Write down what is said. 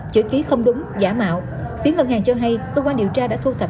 chữ ký không đúng giả mạo phía ngân hàng cho hay cơ quan điều tra đã thu thập